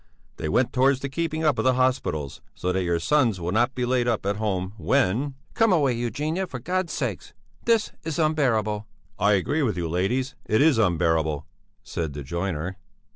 They went towards the keeping up of the hospitals, so that your sons will not be laid up at home when...." "Come away, Eugenia, for God's sake! This is unbearable!" "I agree with you, ladies, it is unbearable," said the joiner.